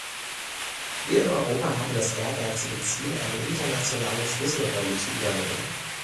Wir in Europa haben das ehrgeizige Ziel, eine internationale Schlüsselrolle zu übernehmen.